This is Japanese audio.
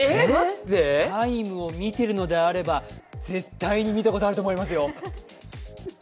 「ＴＩＭＥ，」を見ているのであれば絶対に見たことあると思います。